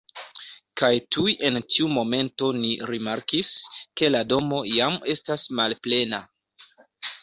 Kaj tuj en tiu momento ni rimarkis, ke la domo jam estas malplena